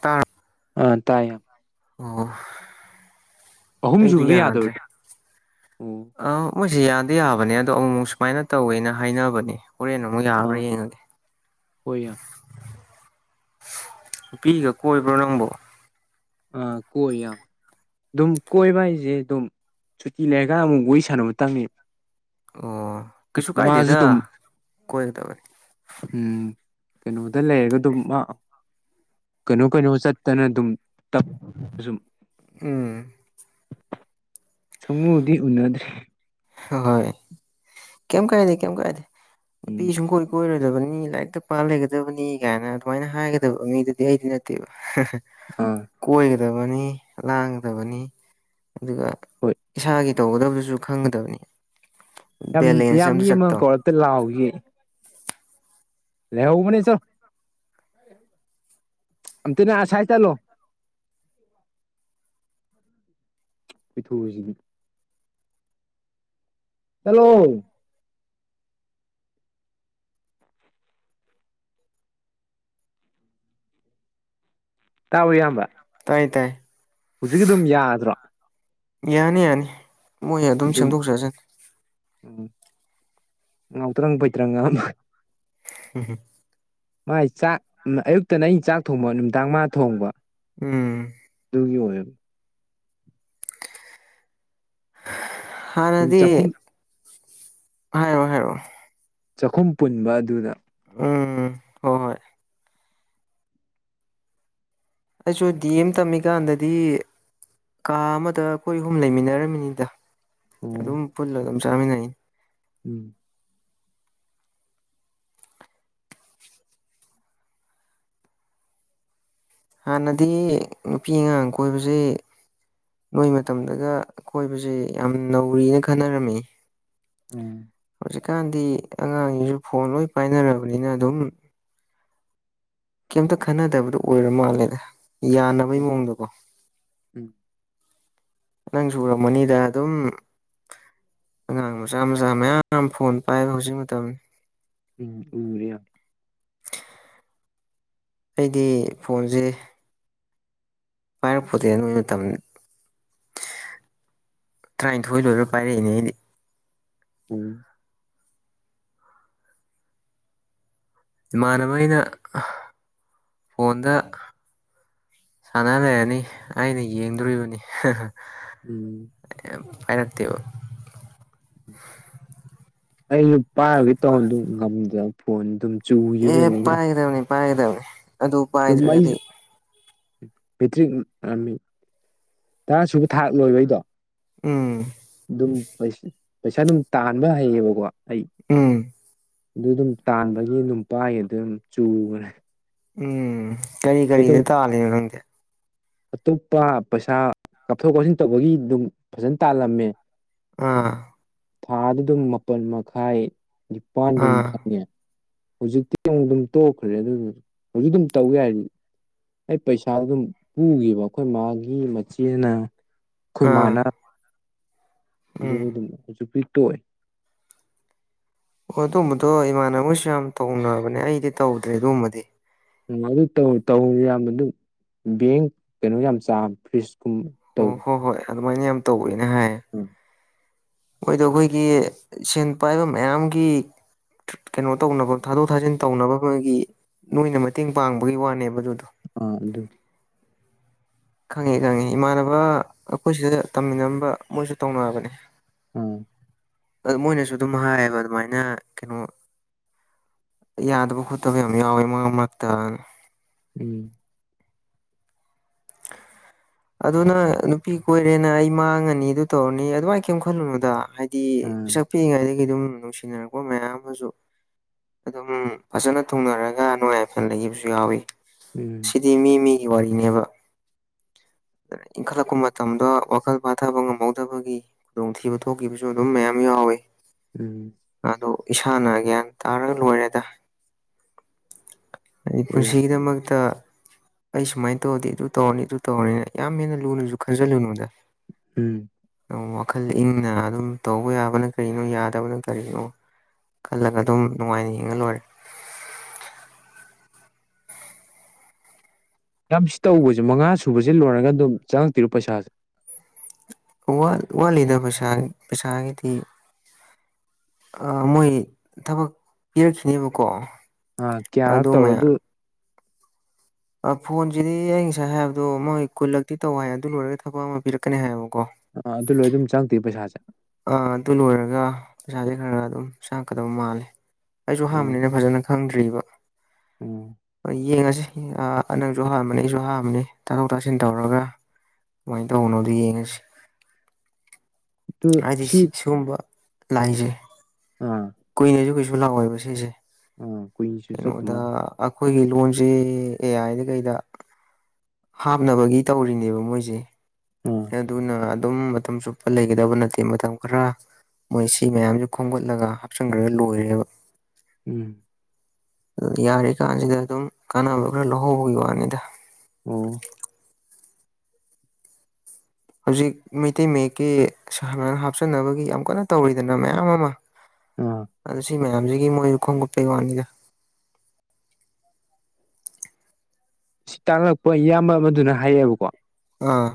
ꯇ ꯑ ꯇꯌꯦ ꯑꯣ ꯑꯍꯨꯝ ꯑꯩꯗꯤ ꯁꯨꯕꯗ ꯌꯥꯗ꯭ꯔꯦ ꯌꯥꯗꯕ꯭ꯔꯥ ꯑ ꯃꯣꯏ ꯁꯤ ꯌꯥꯗꯤ ꯌꯥꯕꯅꯦ ꯑꯗꯣ ꯑꯃꯨꯛꯃꯨꯛ ꯁꯨꯃꯥꯏꯅ ꯇꯧꯋꯦꯅ ꯍꯥꯏꯅꯕꯅꯦ ꯍꯣꯔꯦꯟ ꯑꯃꯨꯛ ꯌꯥꯕ꯭ꯔꯥ ꯑꯥ ꯌꯦꯡꯉꯒꯦ ꯍꯣꯏ ꯌꯥꯝ ꯅꯨꯄꯤꯒ ꯀꯣꯏꯕ꯭ꯔꯣ ꯅꯪꯕꯣ ꯑ ꯀꯣꯢꯌꯥ ꯑꯗꯨꯝ ꯀꯣꯏꯕ ꯍꯥꯏꯁꯦ ꯑꯗꯨꯝ ꯁꯨꯇꯤ ꯂꯩꯔꯒ ꯑꯃꯨꯛ ꯋꯥꯔꯤ ꯁꯥꯟꯅꯕ ꯇꯪꯅꯦ ꯑꯣ ꯀꯩꯁꯨ ꯀꯥꯏꯗꯦꯗ ꯀꯣꯏꯒꯗꯕꯅꯤ ꯎꯝ ꯀꯩꯅꯣꯗ ꯂꯩꯔꯒ ꯑꯗꯨꯝ ꯀꯩꯅꯣ ꯀꯩꯅꯣ ꯆꯠꯇꯅ ꯑꯗꯨꯝ ꯇꯞꯅꯁꯨꯝ ꯎꯝ ꯁꯨꯡꯎꯗꯤ ꯎꯅꯗ꯭ꯔꯤ ꯍꯣꯏ ꯀꯩꯝ ꯀꯥꯏꯗꯦ ꯀꯩꯝ ꯀꯥꯏꯗꯦ ꯅꯨꯄꯤ ꯎꯝ ꯁꯨꯝ ꯀꯣꯢ ꯀꯣꯢꯔꯣꯢ ꯗꯕꯅꯤ ꯂꯥꯏꯔꯤꯛꯇ ꯄꯥ ꯂꯩꯒꯗꯕꯅꯤ ꯀꯥꯏꯅ ꯑꯗꯨꯃꯥꯏꯅ ꯍꯥꯏꯒꯗꯕ ꯃꯤꯗꯨꯗꯤ ꯑꯩꯗꯤ ꯅꯠꯇꯦꯕ ꯑꯥ ꯀꯣꯏꯒꯗꯕꯅꯤ ꯂꯥꯡꯒꯗꯕꯅꯤ ꯑꯗꯨꯒ ꯍꯣꯏ ꯏꯁꯥꯒꯤ ꯇꯧꯒꯗꯕꯗꯨꯁꯨ ꯈꯪꯒꯗꯕꯅꯤ ꯌꯥꯝ ꯕꯦꯂꯦꯟꯁ ꯌꯥꯝ ꯑꯝꯇ ꯃꯤ ꯑꯃ ꯆꯠꯇꯕꯅꯤ ꯀꯧꯔꯛꯇ ꯂꯥꯎꯒꯤꯒꯦ ꯂꯩꯍꯧꯕꯅꯦ ꯆꯠꯂꯣ ꯑꯃꯇ ꯑꯁꯥꯢ ꯆꯠꯂꯣ ꯍꯨꯢꯊꯨꯁꯤꯗꯤ ꯆꯠꯂꯣ ꯇꯥꯕꯔꯣ ꯏꯌꯥꯝꯕ ꯇꯥꯏ ꯇꯥꯏ ꯍꯧꯖꯤꯛ ꯑꯗꯨꯝ ꯌꯥꯗ꯭ꯔꯣ ꯌꯥꯅꯤ ꯌꯥꯅꯤ ꯃꯣꯏ ꯑꯗꯨꯝ ꯁꯦꯝꯗꯣꯛꯆ ꯁꯅꯤ ꯉꯥꯎꯇꯔꯪ ꯐꯩꯇꯔꯪ ꯑꯃ [unintelligible] ꯃꯥꯥꯏ ꯆꯥꯛ ꯑꯌꯨꯛꯇꯅ ꯑꯩꯅ ꯆꯥꯛ ꯊꯣꯡꯕ ꯅꯨꯡꯗꯥꯡ ꯃꯅꯥ ꯊꯣꯡꯕ ꯎꯝ ꯑꯗꯨꯒꯤ ꯑꯣꯢꯔꯕ ꯑꯗꯨꯝ ꯍꯟꯅꯗꯤ ꯆꯥꯛꯈꯨꯝ ꯍꯥꯏꯔꯣ ꯍꯥꯏꯔꯣ ꯆꯥꯛꯈꯨꯝ ꯄꯨꯟꯕ ꯑꯗꯨꯗ ꯎꯝ ꯍꯣꯏ ꯍꯣꯏ ꯑꯩꯁꯨ ꯗꯤ ꯑꯦꯝ ꯇꯝꯃꯤ ꯀꯥꯟꯗꯗꯤ ꯀꯥ ꯑꯃꯗ ꯑꯩꯈꯣꯏ ꯑꯍꯨꯝ ꯂꯩꯃꯤꯟꯅꯔꯝ ꯃꯤꯅꯤꯗ ꯑꯣ ꯑꯗꯨꯝ ꯄꯨꯂ ꯑꯗꯨꯝ ꯆꯃꯤꯟꯅꯅꯤ ꯎꯝ ꯍꯥꯟꯅꯗꯤ ꯅꯨꯄꯤ ꯑꯉꯥꯡ ꯀꯣꯏꯕꯁꯤ ꯅꯣꯏ ꯃꯇꯝꯗꯒ ꯀꯣꯏꯕꯁꯦ ꯌꯥꯝ ꯅꯧꯔꯤꯅ ꯈꯟꯅꯔꯝꯃꯤ ꯎꯝ ꯍꯧꯖꯤꯛꯀꯥꯟꯗꯤ ꯑꯉꯥꯡꯁꯤꯡꯁꯨ ꯐꯣꯟ ꯂꯣꯏ ꯄꯥꯏꯅꯔꯕꯅꯤꯅ ꯑꯗꯨꯝ ꯀꯩꯝꯇ ꯈꯟꯅꯗꯕꯗꯨ ꯑꯣꯏꯔ ꯃꯥꯜꯂꯦꯗ ꯌꯥꯅꯕꯩ ꯃꯑꯣꯡꯗꯀꯣ ꯎꯝ ꯅꯪꯁꯨ ꯎꯔꯝꯃꯅꯤꯗ ꯑꯗꯨꯝ ꯑꯉꯥꯡ ꯃꯆꯥ ꯃꯆꯥ ꯃꯌꯥꯝ ꯐꯣꯟ ꯄꯥꯏꯕ ꯍꯧꯖꯤꯛ ꯃꯇꯝ ꯎꯝ ꯎꯔꯦ ꯌꯥꯝ ꯑꯩꯗꯤ ꯐꯣꯟꯁꯦ ꯄꯥꯏꯔꯛꯄꯣꯟꯇꯦ ꯑꯗꯨꯏ ꯃꯇꯝ ꯇꯔꯥꯅꯤꯊꯣꯏ ꯂꯣꯏꯔ ꯄꯥꯏꯔꯛꯏꯅꯦ ꯑꯩꯗꯤ ꯎꯝ ꯏꯃꯥꯟꯅꯕꯒꯩꯅ ꯐꯣꯟꯗ ꯁꯥꯟꯅ ꯂꯩꯔꯅꯤ ꯑꯩꯅ ꯌꯦꯡꯗꯨꯔꯤꯕꯅꯤ ꯎꯝ [unintelligible] ꯑꯩꯁꯨ ꯄꯥꯏꯔꯣꯏꯒꯦ ꯇꯧꯕꯗꯨ ꯉꯝꯗꯕ ꯐꯣꯟ ꯑꯗꯨꯝ ꯆꯨꯈꯤꯕꯗ ꯑꯦ ꯂꯩꯅ ꯄꯥꯏꯒꯗꯕꯅꯤ ꯄꯥꯏꯒꯗꯕꯅꯤ ꯑꯗꯨ ꯑꯗꯨꯝ ꯑꯩꯁꯨ ꯄꯥꯏꯗ꯭ꯔꯒꯗꯤ ꯃꯦꯇ꯭ꯔꯤꯛ ꯇꯔꯥ ꯁꯨꯕ ꯊꯥꯛ ꯂꯣꯏꯕꯩꯗꯣ ꯎꯝ ꯑꯗꯨꯝ ꯄꯩꯁꯥ ꯑꯗꯨꯝ ꯇꯥꯟꯕ ꯍꯩꯌꯦꯕꯀꯣ ꯑꯩ ꯎꯝ ꯑꯗꯨ ꯑꯗꯨꯝ ꯇꯥꯟꯕꯒꯤ ꯑꯗꯨꯝ ꯄꯥꯏꯒꯤꯕꯗꯩ ꯑꯗꯨꯝ ꯆꯨꯒ꯭ꯔꯦ ꯎꯝ ꯀꯔꯤ ꯀꯔꯤꯗ ꯇꯥꯜꯂꯤꯅꯣ ꯅꯪꯗꯤ ꯑꯇꯣꯞꯄ ꯄꯩꯁꯥ ꯀꯥꯞꯊꯣꯛ ꯀꯥꯞꯁꯤꯟ ꯇꯧꯕꯒꯤ ꯑꯗꯨꯝ ꯐꯖꯅ ꯇꯥꯜꯂꯝꯃꯦ ꯑꯥ ꯊꯥꯗ ꯑꯗꯨꯝ ꯃꯥꯄꯜ ꯃꯈꯥꯏ ꯅꯤꯄꯥꯜ ꯑꯗꯨꯝ ꯑꯥ ꯐꯪꯉꯦ ꯍꯧꯖꯤꯛꯇꯤ ꯑꯃꯨꯛ ꯑꯗꯨꯝ ꯇꯣꯛꯈ꯭ꯔꯦ ꯑꯗꯨ ꯍꯧꯖꯤꯛ ꯑꯗꯨꯝ ꯇꯧ ꯌꯔꯤꯕꯅꯦ ꯑꯩ ꯄꯩꯁꯥ ꯑꯗꯨꯝ ꯄꯨꯒꯤꯕ ꯑꯩꯈꯣꯏ ꯃꯥꯒꯤ ꯃꯆꯦꯅ ꯑꯥ ꯈꯣꯏꯃꯥꯅ ꯑꯗꯨ ꯎꯝ ꯑꯗꯨꯝ ꯍꯧꯖꯤꯛꯄꯨꯗꯤ ꯇꯣꯛꯑꯦ ꯑꯣ ꯑꯗꯨꯝꯕꯗꯣ ꯏꯃꯥꯟꯅꯕꯁꯨ ꯌꯥꯝ ꯇꯧꯅꯕꯅꯦ ꯑꯩꯗꯤ ꯇꯧꯗ꯭ꯔꯦ ꯑꯗꯨꯒꯨꯝꯕꯗꯤ ꯎ ꯑꯗꯨ ꯇꯧ ꯌꯥꯝ ꯑꯗꯨ ꯕꯦꯡ ꯀꯩꯅꯣ ꯌꯥꯝ ꯆꯥꯝꯅꯤ ꯐ꯭ꯔꯤꯁ ꯑꯣ ꯍꯣꯏ ꯍꯣꯏ ꯑꯗꯨꯃꯥꯏꯅ ꯌꯥꯝ ꯇꯧꯋꯦꯅ ꯍꯥꯏꯌꯦ ꯑꯥ ꯃꯣꯏꯗꯣ ꯑꯩꯈꯣꯏꯒꯤ ꯁꯦꯟ ꯄꯥꯏꯕ ꯃꯌꯥꯝꯒꯤ ꯀꯩꯅꯣ ꯇꯧꯅꯕ ꯊꯥꯗꯣꯛ ꯊꯥꯖꯤꯟ ꯇꯧꯅꯕꯒꯤ ꯅꯣꯏꯅ ꯃꯇꯦꯡ ꯄꯥꯡꯕꯒꯤ ꯋꯥꯅꯦꯕ ꯑꯗꯨꯗꯣ ꯑꯥ ꯑꯗꯨ ꯈꯪꯉꯤ ꯈꯪꯉꯤ ꯏꯃꯥꯟꯅꯕ ꯑꯩꯈꯣꯏ ꯁꯤꯗ ꯇꯝꯃꯤꯟꯅꯔꯝꯕ ꯃꯣꯏꯁꯨ ꯇꯧꯅꯕꯅꯦ ꯎꯝ ꯑ ꯃꯣꯏꯅꯁꯨ ꯑꯗꯨꯝ ꯍꯥꯏꯌꯦꯕ ꯑꯗꯨꯃꯥꯏꯅ ꯀꯩꯅꯣ ꯌꯥꯗꯕ ꯈꯣꯠꯇꯕ ꯌꯥꯝ ꯌꯎꯋꯦ ꯃꯥꯔꯛ ꯃꯥꯥꯔꯛꯇꯥꯅ ꯎꯝ ꯑꯗꯨꯅ ꯅꯨꯄꯤ ꯀꯣꯏꯔꯦꯅ ꯑꯩ ꯃꯥꯡꯉꯅꯤ ꯑꯗꯨ ꯇꯧꯔꯅꯤ ꯑꯗꯨꯃꯥꯏꯅ ꯀꯩꯝ ꯈꯜꯂꯨꯅꯨꯗ ꯍꯥꯏꯗꯤ ꯑꯥ ꯄꯤꯁꯛ ꯄꯤꯛꯏꯉꯩꯗꯒꯤ ꯑꯗꯨꯝ ꯅꯨꯡꯁꯤꯅꯔꯛꯄ ꯃꯌꯥꯝ ꯑꯃꯁꯨ ꯑꯗꯨꯝ ꯐꯖꯅ ꯊꯨꯡꯅꯔꯒ ꯅꯨꯡꯉꯥꯏ ꯌꯥꯏꯐꯅ ꯂꯩꯈꯤꯕꯁꯨ ꯌꯥꯎꯋꯤ ꯎꯝ ꯁꯤꯗꯤ ꯃꯤ ꯃꯤꯒꯤ ꯋꯥꯔꯤꯅꯦꯕ [inaudible] ꯏꯟꯈꯠꯂꯛꯄ ꯃꯇꯝꯗ ꯋꯥꯈꯜ ꯐꯥꯊꯕ ꯉꯝꯍꯧꯗꯕꯒꯤ ꯈꯨꯗꯣꯡꯊꯤꯕ ꯊꯣꯛꯈꯤꯕꯁꯨ ꯑꯗꯨꯝ ꯃꯌꯥꯝ ꯌꯥꯎꯋꯤ ꯎꯝ ꯑꯗꯣ ꯏꯁꯥꯅ ꯒ꯭ꯌꯥꯟ ꯇꯥꯔ ꯂꯣꯏꯔꯦꯗ ꯑꯩ ꯍꯣꯏ ꯄꯨꯟꯁꯤꯒꯤꯗꯃꯛꯇ ꯑꯩ ꯁꯨꯃꯥꯏ ꯇꯧꯔꯗꯤ ꯑꯗꯨ ꯇꯧꯔꯅꯤ ꯑꯗꯨ [unintelligible] ꯌꯥꯝ ꯍꯦꯟꯅ ꯂꯨꯅꯖꯨ ꯈꯟꯖꯜꯂꯨꯅꯨꯗ ꯎꯝ ꯑ ꯋꯥꯈꯜ ꯏꯪꯅ ꯑꯗꯨꯝ ꯇꯧꯕ ꯌꯥꯕꯅ ꯀꯔꯤꯅꯣ ꯌꯥꯗꯕꯅ ꯀꯔꯤꯅꯣ ꯈꯜꯂꯒ ꯑꯗꯨꯝ ꯅꯨꯡꯉꯥꯏꯅ ꯍꯤꯡꯉ ꯂꯣꯏꯔꯦ [inaudible] ꯇꯝꯁ ꯇꯧꯕꯖꯦ ꯃꯉꯥ ꯁꯨꯕꯖꯦ ꯂꯣꯏꯔꯒ ꯑꯗꯨꯝ ꯆꯪꯉꯛꯇꯨꯏꯔꯣ ꯄꯩꯁꯥꯖꯦ ꯋꯥꯠ ꯋꯥꯠꯂꯤꯗ ꯄꯩꯁꯥ ꯄꯩꯁꯥꯒꯤꯗꯤ ꯑ ꯃꯣꯏ ꯊꯕꯛ ꯄꯤꯔꯛꯈꯤꯅꯦꯕꯀꯣ ꯑ ꯀꯌꯥꯔꯛ ꯇꯧ ꯑꯗꯨ ꯑ ꯐꯣꯟꯖꯤꯗꯤ ꯑꯩ ꯉꯁꯥꯏ ꯍꯥꯏꯕꯗꯣ ꯃꯣꯏ ꯀꯨꯜꯂꯛꯇꯤ ꯇꯧ ꯍꯥꯏ ꯑꯗꯨ ꯂꯣꯏꯔꯒ ꯊꯕꯛ ꯑꯃ ꯄꯤꯔꯛꯀꯅꯤ ꯍꯥꯏꯕ ꯑꯣ ꯑꯗꯨ ꯂꯣꯏꯔ ꯑꯗꯨꯝ ꯆꯪꯉꯛꯇꯨꯏꯔ ꯄꯩꯁꯥꯖꯦ ꯑ ꯑꯗꯨ ꯂꯣꯏꯔꯒ ꯄꯩꯁꯥꯖꯦ ꯈꯔ ꯈꯔ ꯑꯗꯨꯝ ꯆꯪꯉꯀꯗꯕ ꯃꯥꯜꯂꯤ ꯑꯩꯖꯨ ꯑꯣ ꯑꯍꯥꯟꯕꯅꯤꯅ ꯐꯖꯅ ꯈꯪꯗ꯭ꯔꯤꯕ ꯎꯝ ꯑ ꯌꯦꯡꯉꯖꯤ ꯅꯪꯖꯨ ꯑꯍꯥꯟꯕꯅꯤ ꯑꯩꯖꯨ ꯑꯍꯥꯟꯕꯅꯤ ꯇꯥꯊꯣꯛ ꯇꯥꯁꯤꯟ ꯇꯧꯔꯒ ꯀꯃꯥꯏ ꯇꯧꯕꯅꯣꯗꯨ ꯌꯦꯡꯉꯁꯤ ꯍꯥꯏꯗꯤ ꯁꯤ ꯁꯤꯒꯨꯝꯕ ꯂꯥꯏꯟꯖꯦ ꯑꯥ ꯀꯨꯏꯅꯖꯨ ꯀꯩꯁꯨ [unintelligible] ꯂꯥꯛꯑꯣꯏꯕ ꯁꯤꯖꯦ ꯑꯥ ꯀꯨꯏꯅꯁꯨ ꯆꯠꯇꯨ ꯀꯩꯅꯣꯗ ꯃꯥꯜꯂꯤ ꯑꯩꯈꯣꯏꯒꯤ ꯂꯣꯟꯖꯤ ꯑꯦ ꯑꯥꯏꯗ ꯀꯩꯗ ꯍꯥꯞꯅꯕꯒꯤ ꯇꯧꯔꯤꯅꯦꯕ ꯃꯣꯏꯖꯦ ꯑꯥ ꯑꯗꯨꯅ ꯑꯗꯨꯝ ꯃꯇꯝ ꯆꯨꯞꯄ ꯂꯩꯒꯗꯕ ꯅꯠꯇꯦ ꯃꯇꯝ ꯈꯔ ꯃꯣꯏ ꯁꯤ ꯃꯌꯥꯝꯖꯤ ꯈꯣꯝꯒꯠꯂꯒ ꯍꯥꯞꯆꯟꯒ꯭ꯔꯒ ꯂꯣꯏꯔꯦꯕ ꯎꯝ ꯌꯥꯔꯤ ꯀꯥꯟꯁꯤꯗ ꯑꯗꯨꯝ ꯀꯥꯟꯅꯕ ꯈꯔ ꯂꯧꯍꯧꯕꯒꯤ ꯋꯥꯅꯤꯗ ꯎꯝ ꯍꯧꯖꯤꯛ ꯃꯩꯇꯩ ꯃꯌꯦꯛꯀꯤ [unintelligible] ꯍꯥꯞꯆꯟꯅꯕꯒꯤ ꯌꯥꯝ ꯀꯟꯅ ꯇꯧꯔꯤꯗꯅ ꯃꯌꯥꯝ ꯑꯃ ꯑꯥ ꯑꯗꯨ ꯁꯤ ꯃꯌꯥꯝꯖꯤꯒꯤ ꯃꯣꯏꯖꯨ ꯈꯣꯝꯒꯠꯄꯩ ꯋꯥꯅꯤꯗ ꯁꯤ ꯇꯥꯛꯂꯛꯄ ꯏꯌꯥꯝꯕ ꯑꯃꯗꯨꯅ ꯍꯥꯏꯌꯦꯕꯀꯣ ꯑꯥ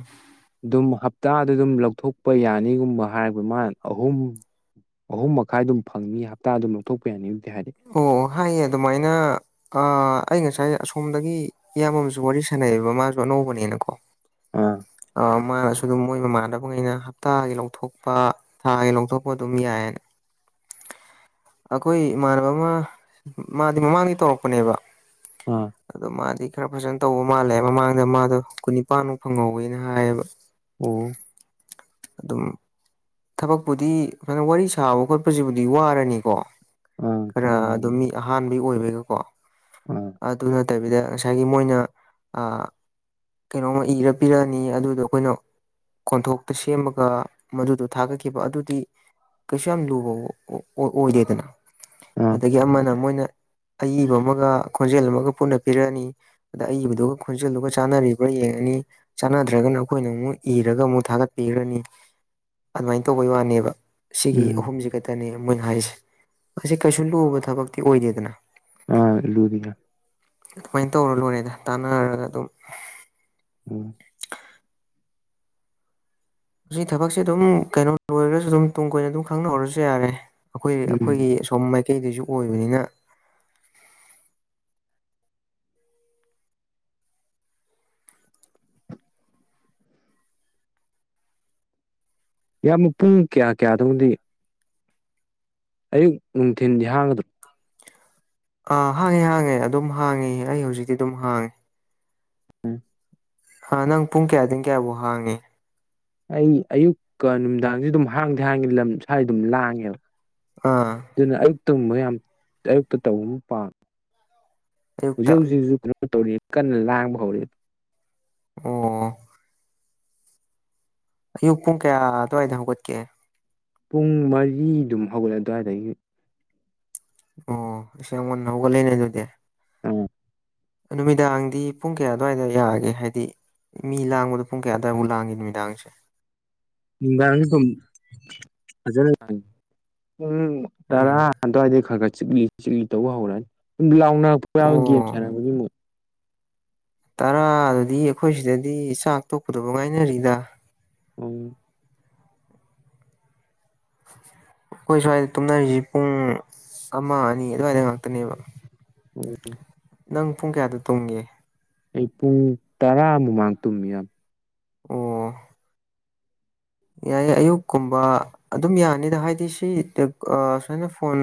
ꯑꯗꯨꯝ ꯍꯞ ꯍꯞꯇꯥꯗ ꯑꯗꯨꯝ ꯂꯧꯊꯣꯛꯄ ꯌꯥꯅꯤꯒꯨꯝꯕ ꯍꯥꯏꯑꯕ ꯃꯥꯅ ꯑꯍꯨꯝ ꯑꯍꯨꯝ ꯃꯈꯥꯏ ꯑꯗꯨꯝ ꯐꯪꯅꯤ ꯍꯞꯇꯥꯗ ꯑꯗꯨꯝ ꯂꯧꯊꯣꯛꯄ ꯌꯥꯅꯤ ꯑꯣ ꯍꯥꯏꯌꯦ ꯑꯗꯨꯃꯥꯏꯅ ꯑ ꯑꯩ ꯉꯁꯥꯏ ꯑꯁꯣꯝꯗꯒꯤ ꯏꯌꯥꯝꯕ ꯑꯃꯁꯨ ꯋꯥꯔꯤ ꯁꯥꯟꯅꯩꯑꯕ ꯃꯥꯖꯨ ꯑꯅꯧꯕꯅꯦꯅꯀꯣ ꯑꯥ ꯑ ꯃꯥꯅꯁꯨ ꯑꯗꯨꯝ ꯃꯣꯏ ꯃꯃꯥꯟꯅꯕꯉꯩꯅ ꯍꯞꯇꯥꯒꯤ ꯂꯧꯊꯣꯛꯄ ꯊꯥꯒꯤ ꯂꯧꯊꯣꯛꯄ ꯑꯗꯨꯝ ꯌꯥꯏꯅ [inaudible] ꯑꯈꯣꯏ ꯏꯃꯥꯟꯅꯕ ꯑꯃ ꯃꯥꯗꯤ ꯃꯃꯥꯡꯗꯩ ꯇꯧꯔꯛꯄꯅꯦꯕ ꯑꯥ ꯑꯗꯣ ꯃꯥꯗꯤ ꯈꯔ ꯐꯖꯅ ꯇꯧꯕ ꯃꯥꯜꯂꯦꯕ ꯃꯃꯥꯡꯗ ꯃꯥꯗꯣ ꯀꯨꯟꯅꯤꯄꯥꯟꯃꯨꯛ ꯐꯪꯍꯧꯋꯦꯅ ꯍꯥꯏꯑꯕ ꯑꯣ ꯑꯗꯨꯝ ꯊꯕꯛꯄꯨꯗꯤ ꯑꯗꯨ ꯁꯨꯃꯥꯏꯅ ꯋꯥꯔꯤ ꯁꯥꯕ ꯈꯣꯠꯄꯁꯤꯕꯨꯗꯤ ꯋꯥꯔꯅꯤꯀꯣ ꯈꯔ ꯑꯗꯨꯝ ꯃꯤ ꯑꯍꯥꯟꯕꯒꯤ ꯑꯣꯏꯕꯩꯒꯀꯣ ꯑꯥ ꯑꯗꯨ ꯅꯠꯇꯕꯤꯗ ꯉꯁꯥꯏꯒꯤ ꯃꯣꯏꯅ ꯑ ꯀꯩꯅꯣꯝꯃ ꯏꯔ ꯄꯤꯔꯛꯑꯅꯤ ꯑꯗꯨꯗꯣ ꯑꯩꯈꯣꯏꯅ ꯀꯣꯟꯊꯣꯛꯇ ꯁꯦꯝꯃꯒ ꯃꯗꯨꯗꯨ ꯊꯥꯒꯠꯈꯤꯕ ꯑꯗꯨꯗꯤ ꯀꯩꯁꯨ ꯌꯥꯝ ꯂꯨꯕ ꯑꯣꯏꯗꯦꯗꯅ ꯑꯥ ꯑꯗꯒꯤ ꯑꯃꯅ ꯃꯣꯏꯅ ꯑꯏꯕ ꯑꯃꯒ ꯈꯣꯟꯖꯦꯜ ꯑꯃꯒ ꯄꯨꯟꯅ ꯄꯤꯔꯛꯑꯅꯤ ꯑꯗ ꯑꯏꯕꯗꯨꯒ ꯈꯣꯟꯖꯦꯜꯗꯨꯒ ꯆꯥꯟꯅꯔꯤꯕ꯭ꯔꯥ ꯌꯦꯡꯉ ꯅꯤ ꯆꯥꯟꯅꯗ꯭ꯔꯒꯅ ꯑꯩꯈꯣꯏꯅ ꯑꯃꯨꯛ ꯏꯔꯒ ꯑꯃꯨꯛ ꯊꯥꯒꯠꯄꯤꯈ꯭ꯔꯅꯤ ꯑꯗꯨꯃꯥꯏꯅ ꯇꯧꯕꯩ ꯋꯥꯅꯦꯕ ꯁꯤꯒꯤ ꯎꯝ ꯑꯍꯨꯝꯁꯤ ꯈꯛꯇꯅꯦꯕ ꯃꯣꯢ ꯍꯥꯏꯁꯦ ꯃꯁꯤ ꯀꯩꯁꯨ ꯂꯨꯕ ꯊꯕꯛꯇꯤ ꯑꯣꯏꯗꯦꯗꯅ ꯑꯥ ꯑꯂꯨꯗꯤ ꯑꯗꯨꯃꯥꯏꯅ ꯇꯧꯔ ꯂꯣꯏꯔꯦꯗ ꯇꯥꯟꯅꯔꯒ ꯑꯗꯨꯝ ꯎꯝ ꯁꯤ ꯊꯕꯛꯁꯤ ꯑꯗꯨꯝ ꯀꯩꯅꯣ ꯂꯣꯏꯔꯒꯁꯨ ꯑꯗꯨꯝ ꯇꯨꯡ ꯀꯣꯏꯅ ꯑꯗꯨꯝ ꯈꯪꯅꯍꯧꯔꯁꯨ ꯌꯥꯔꯦ ꯑꯩꯈꯣꯏ ꯎꯝ ꯑꯩꯈꯣꯏꯒꯤ ꯑꯁꯣꯝ ꯃꯥꯏꯀꯩꯗꯁꯨ ꯑꯣꯏꯕꯅꯤꯅ ꯌꯥꯝ ꯄꯨꯡ ꯀꯌꯥ ꯀꯌꯥꯗꯪꯗꯤ ꯑꯌꯨꯛ ꯅꯨꯡꯊꯤꯟꯗꯤ ꯍꯥꯡꯒꯗ꯭ꯔꯥ ꯑꯥ ꯍꯥꯡꯉꯦ ꯍꯥꯡꯉꯦ ꯑꯗꯨꯝ ꯍꯥꯡꯉꯦ ꯑꯩ ꯍꯧꯖꯤꯛꯇꯤ ꯑꯗꯨꯝ ꯍꯥꯡꯉꯦ ꯎꯝ ꯅꯪ ꯄꯨꯡ ꯀꯌꯥꯗꯒꯤ ꯀꯌꯥꯐꯧ ꯍꯥꯡꯉꯤ ꯑꯩ ꯑꯌꯨꯛꯀ ꯅꯨꯃꯤꯗꯥꯡꯁꯨ ꯑꯗꯨꯝ ꯍꯥꯡꯗꯤ ꯍꯥꯡꯉꯦ ꯂꯝ ꯁ꯭ꯋꯥꯏ ꯑꯗꯨꯝ ꯂꯥꯡꯉꯦꯕ ꯑꯥ ꯑꯗꯨꯅ ꯑꯌꯨꯛꯇꯒꯨꯝꯕ ꯌꯥꯝ ꯑꯌꯨꯛꯇ ꯇꯧꯕꯕꯨ ꯄꯥꯝ ꯑꯌꯨꯛꯇ ꯍꯧꯖꯤꯛ ꯍꯧꯖꯤꯛꯁꯨ ꯀꯩꯅꯣ ꯇꯧꯔꯤ ꯀꯟꯅ ꯂꯥꯡꯕ ꯍꯧꯔꯛꯑꯦ ꯑꯣ ꯑꯌꯨꯛ ꯄꯨꯡ ꯀꯌꯥ ꯑꯗꯨꯋꯥꯏꯗ ꯍꯧꯒꯠꯀꯦ ꯄꯨꯡ ꯃꯔꯤ ꯗꯨꯝ ꯍꯧꯒꯠꯂꯦ ꯑꯗꯨ꯭ꯋꯥꯏꯗꯒꯤ ꯑꯣ ꯏꯁ ꯌꯥꯝ ꯉꯟꯅ ꯍꯧꯒꯠꯂꯦꯅꯦ ꯑꯗꯨꯗꯤ ꯎꯝ ꯅꯨꯃꯤꯗꯥꯡꯗꯤ ꯄꯨꯡ ꯀꯌꯥ ꯑꯗꯨꯋꯥꯏꯗ ꯌꯥꯒꯦ ꯍꯥꯏꯗꯤ ꯃꯤ ꯂꯥꯡꯕꯗꯣ ꯄꯨꯡ ꯀꯌꯥ ꯑꯗ꯭ꯋꯥꯏꯐꯥꯎ ꯂꯥꯡꯉꯤ ꯅꯨꯃꯤꯗꯥꯡꯁꯦ ꯅꯨꯡꯗꯥꯡꯗꯤ ꯗꯨꯝ ꯐꯖꯅ ꯂꯥꯡꯏ ꯄꯨꯡ ꯇꯔꯥ ꯎꯝ ꯑꯗꯨꯋꯥꯏꯗꯩ ꯈꯔ ꯈꯔ ꯆꯤꯛꯂꯤ ꯆꯤꯛꯂꯤ ꯇꯧꯕ ꯍꯧꯔꯛꯑꯅꯤ ꯂꯥꯎ ꯅꯔꯛꯄ ꯌꯥꯎꯋꯤ ꯒꯦꯝ ꯁꯥꯟꯅꯕꯒꯤ ꯃꯨꯠ ꯇꯔꯥ ꯑꯗꯨꯗꯤ ꯑꯩꯈꯣꯏ ꯁꯤꯗꯗꯤ ꯆꯥꯛ ꯇꯣꯛꯄꯗꯕꯨ ꯉꯥꯏꯅꯔꯤꯗ ꯎꯝ [inaudible] ꯑꯩꯈꯣꯏ ꯁ꯭ꯋꯥꯏꯗ ꯇꯨꯝꯅꯔꯤꯁꯤ ꯄꯨꯡ ꯑꯃ ꯑꯅꯤ ꯑꯗꯨꯋꯥꯏꯗ ꯉꯥꯛꯇꯅꯦꯕ ꯎꯝ ꯅꯪ ꯄꯨꯡ ꯀꯌꯥꯗ ꯇꯣꯡꯒꯦ ꯑꯩ ꯄꯨꯡ ꯇꯔꯥ ꯃꯃꯥꯡ ꯇꯨꯝꯃꯦ ꯏꯌꯥꯝ ꯑꯣ ꯌꯥꯏꯌꯦ ꯑꯌꯨꯛꯀꯨꯝꯕ ꯑꯗꯨꯝ ꯌꯥꯅꯤꯗ ꯍꯥꯏꯗꯤ ꯁꯤ ꯑ ꯁꯨꯃꯥꯏꯅ ꯐꯣꯟ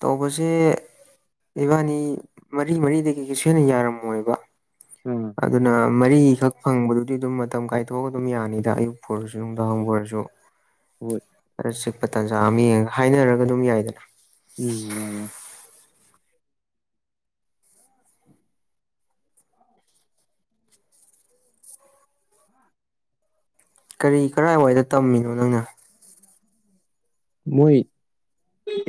ꯇꯧꯕꯁꯦ ꯏꯕꯥꯅꯤ ꯃꯔꯤ ꯃꯔꯤꯗꯒꯤ ꯀꯩꯁꯨ ꯍꯦꯟꯅ ꯌꯥꯔꯝꯃꯣꯏꯕ ꯑꯥ ꯑꯗꯨꯅ ꯃꯔꯤꯈꯛ ꯐꯪꯕꯗꯨꯗꯤ ꯑꯗꯨꯝ ꯃꯇꯝ ꯀꯥꯏꯊꯣꯛꯑꯒ ꯑꯗꯨꯝ ꯌꯥꯅꯤꯗ ꯑꯌꯨꯛꯄꯨ ꯑꯣꯢꯔꯁꯨ ꯨꯅꯨꯡꯗꯥꯡꯕꯨ ꯑꯣꯢꯔꯁꯨ ꯍꯣꯏ ꯈꯔ ꯆꯤꯛꯄ ꯇꯥꯟꯖꯥ ꯑꯃ ꯌꯦꯡꯉꯒ ꯍꯥꯏꯅꯔꯒ ꯑꯗꯨꯝ ꯌꯥꯏꯗꯅ ꯎꯝ ꯌꯥꯏ ꯌꯥꯏ [inaudible] [inaudible] ꯀꯔꯤ ꯀꯗꯥꯏꯋꯥꯏꯗ ꯇꯝꯃꯤꯅꯣ ꯅꯪꯅ [inaudible] ꯃꯣꯏ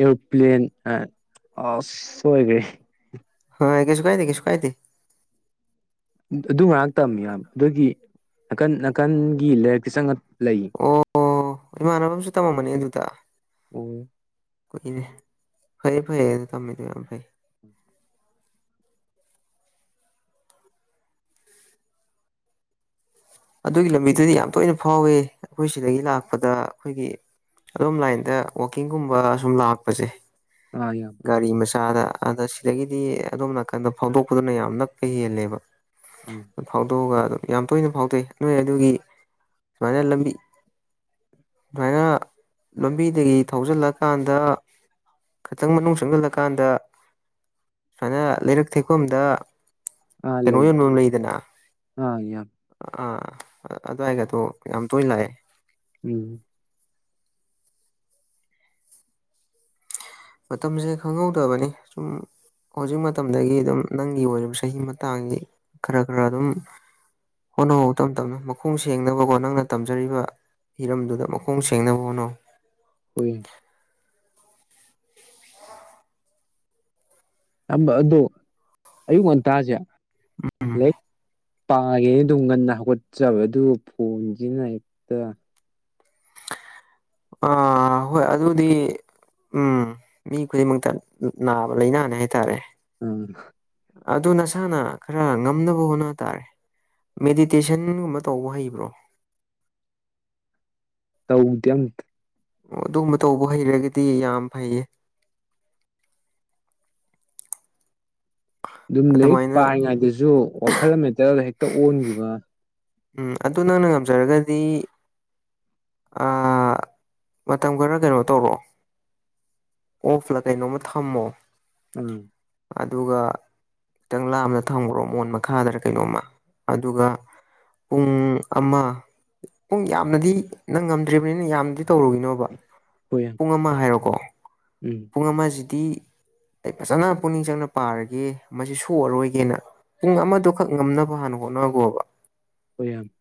ꯑꯦꯔꯣꯄ꯭ꯂꯦꯟ ꯑꯁ ꯁꯣꯏꯒ꯭ꯔꯦ ꯍ ꯀꯩꯁꯨ ꯀꯥꯏꯗꯦ ꯀꯩꯁꯨ ꯀꯥꯏꯗꯦ ꯑꯗꯨ ꯃꯅꯥꯛ ꯇꯝꯃꯤ ꯏꯌꯥꯝꯕ ꯑꯗꯨꯒꯤ ꯅꯥꯀꯟ ꯅꯥꯀꯟꯒꯤ ꯂꯥꯏꯔꯛꯇ ꯆꯪꯉ ꯂꯩ ꯑꯣ ꯏꯃꯥꯟꯅꯕ ꯑꯃꯁꯨ ꯇꯝꯃꯝꯕꯅꯦ ꯑꯗꯨꯗ ꯑꯣ ꯀꯨꯢꯔꯦ ꯐꯩ ꯐꯩꯌꯦ ꯑꯗꯨ ꯇꯝꯃꯤꯗꯣ ꯌꯥꯝ ꯐꯩ ꯑꯗꯨꯒꯤ ꯂꯝꯕꯤꯗꯨꯗꯤ ꯌꯥꯝ ꯇꯣꯏꯅ ꯐꯥꯎꯋꯦ ꯑꯩꯈꯣꯏ ꯁꯤꯗꯒꯤ ꯂꯥꯛꯄꯗ ꯑꯩꯈꯣꯏꯒꯤ ꯑꯗꯣꯝ ꯂꯥꯏꯟꯗ ꯋꯥꯛꯀꯤꯡꯒꯨꯝꯕ ꯑ ꯁꯨꯝ ꯂꯥꯛꯄꯁꯦ ꯑ ꯌꯥꯝꯕ ꯑꯗ ꯑꯗ ꯁꯤꯗꯒꯤꯗꯤ ꯑꯗꯣꯝ ꯅꯥꯀꯟꯗ ꯐꯥꯎꯗꯣꯛꯄꯗꯨꯅ ꯌꯥꯝ ꯅꯛꯄ ꯍꯦꯜꯂꯦꯕ ꯑꯥ ꯑꯗꯨ ꯐꯥꯎꯗꯣꯛꯑꯒ ꯑꯗꯨꯝ ꯌꯥꯝ ꯇꯣꯏꯅ ꯐꯥꯎꯗꯣꯛꯏ ꯅꯣꯏ ꯑꯗꯨꯒꯤ ꯁꯨꯃꯥꯏꯅ ꯂꯝꯕꯤ ꯁꯨꯃꯥꯏꯅ ꯂꯝꯕꯤꯗꯒꯤ ꯊꯧꯖꯤꯜꯂꯀꯥꯟꯗ ꯈꯤꯇꯪ ꯃꯅꯨꯡ ꯆꯪꯁꯤꯜꯂꯀꯥꯟꯗ ꯁꯨꯃꯥꯏꯅ ꯂꯩꯔꯛ ꯊꯦꯛꯐꯝꯗ ꯑꯥ ꯀꯩꯅꯣ ꯂꯩ ꯌꯣꯟꯐꯝ ꯂꯩꯗꯅ ꯑꯥ ꯌꯥꯝ ꯑꯥ ꯑꯗꯨꯋꯥꯏꯒꯗꯣ ꯌꯥꯝ ꯇꯣꯏꯅ ꯂꯥꯛꯑꯦ ꯎꯝ ꯃꯇꯝꯁꯦ ꯈꯪꯍꯧꯗꯕꯅꯤ ꯁꯨꯝ ꯍꯧꯖꯤꯛ ꯃꯇꯝꯗꯒꯤ ꯑꯗꯨꯝ ꯅꯪꯒꯤ ꯑꯣꯏꯔꯤꯕ ꯆꯍꯤ ꯃꯇꯥꯡꯁꯤ ꯈꯔ ꯈꯔ ꯑꯗꯨꯝ ꯍꯣꯠꯅꯧꯕ ꯇꯞꯅ ꯇꯞꯅ ꯃꯈꯣꯡ ꯁꯦꯡꯅꯕꯀꯣ ꯅꯪꯅ ꯇꯝꯖꯔꯤꯕ ꯍꯤꯔꯝꯗꯨꯗ ꯃꯈꯣꯡ ꯁꯦꯡꯅꯕ ꯍꯣꯠꯅꯧ ꯍꯨꯏ ꯏꯌꯥꯝꯕ ꯑꯗꯨ ꯑꯌꯨꯛ ꯉꯟꯇꯥꯥꯁꯦ ꯎꯝ ꯂꯦꯛ ꯄꯥꯒꯦꯅ ꯑꯗꯨꯝ ꯉꯟꯅ ꯍꯧꯒꯠꯆꯕ ꯑꯗꯨ ꯐꯣꯟꯁꯤꯅ ꯍꯦꯛꯇ ꯑꯥ ꯍꯣꯏ ꯑꯗꯨꯗꯤ ꯎꯝ ꯃꯤ ꯈꯨꯗꯤꯡꯃꯛꯇ ꯅꯥꯕ ꯂꯩꯏꯅꯥꯅꯦ ꯍꯥꯏꯇꯔꯦ ꯎꯝ ꯑꯗꯨ ꯅꯁꯥꯅ ꯈꯔ ꯉꯝꯅꯕ ꯍꯣꯠꯅ ꯇꯥꯔꯦ ꯃꯦꯗꯤꯇꯦꯁꯟꯒꯨꯝꯕ ꯇꯧꯕ ꯍꯩꯕ꯭ꯔꯣ ꯇꯧꯗꯦ ꯑꯝꯇ ꯑꯣ ꯑꯗꯨꯒꯨꯝꯕ ꯇꯧꯕ ꯍꯩꯔꯒꯗꯤ ꯌꯥꯝ ꯐꯩꯌꯦ ꯑꯗꯨꯝ ꯂꯥꯏꯔꯤꯛ ꯑꯗꯨꯃꯥꯏꯅ ꯄꯥꯏꯔꯤꯉꯩꯗꯁꯨ ꯋꯥꯈꯜ ꯑꯃꯗ ꯍꯦꯛꯇ ꯑꯣꯟꯈꯤꯕ ꯎꯝ ꯑꯗꯨ ꯅꯪꯅ ꯉꯝꯖꯔꯒꯗꯤ ꯑ ꯃꯇꯝ ꯈꯔ ꯀꯩꯅꯣ ꯇꯧꯔꯣ ꯑꯣꯐ ꯂꯥ ꯀꯩꯅꯣꯝꯃ ꯊꯝꯃꯣ ꯎꯝ ꯑꯗꯨꯒ ꯈꯤꯇꯪ ꯂꯥꯞꯅ ꯊꯝꯈꯨꯔꯣ ꯃꯣꯟ ꯃꯈꯥꯗꯔ ꯀꯩꯅꯣꯝꯃ ꯑꯗꯨꯒ ꯄꯨꯡ ꯑꯃ ꯄꯨꯡ ꯌꯥꯝꯅꯗꯤ ꯅꯪ ꯉꯝꯗ꯭ꯔꯤꯕꯅꯤꯅ ꯌꯥꯝꯅꯗꯤ ꯇꯧꯔꯨꯒꯤꯅꯣꯕ ꯍꯣꯏ ꯌꯥꯝ ꯄꯨꯡ ꯑꯃ ꯍꯥꯏꯔꯣꯀꯣ ꯎꯝ ꯄꯨꯡ ꯑꯃꯁꯤꯗꯤ ꯑꯩ ꯐꯖꯅ ꯄꯨꯛꯅꯤꯡ ꯆꯪꯅ ꯄꯥꯔꯒꯦ ꯃꯁꯤ ꯁꯣꯛꯑꯔꯣꯏꯒꯦꯅ ꯄꯨꯡ ꯑꯃꯗꯨꯈꯛ ꯉꯝꯅꯕ ꯍꯥꯟꯅ ꯍꯣꯠꯅꯒꯣꯕ ꯍꯣꯏ ꯏꯌꯝꯕ